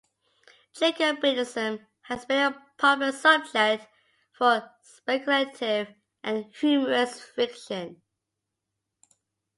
Jacobitism has been a popular subject for speculative and humorous fiction.